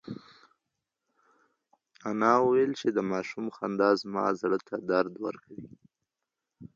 انا وویل چې د ماشوم خندا زما زړه ته درد ورکوي.